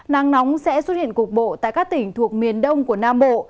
nắng nóng sẽ xuất hiện cục bộ tại các tỉnh thuộc miền đông của nam bộ